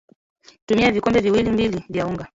Tumia vikombe viwili mbili vya unga